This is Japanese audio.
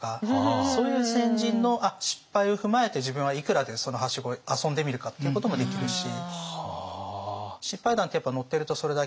そういう先人の失敗を踏まえて自分はいくらでそのはしご遊んでみるかっていうこともできるし。